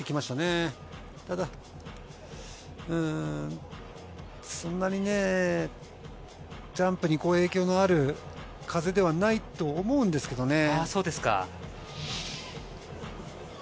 ただ、そんなにね、ジャンプに影響のある風ではないと思うんですけどね。